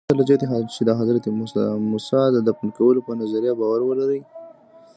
پرته له دې چې د حضرت موسی د دفن کولو په نظریه باور ولرئ.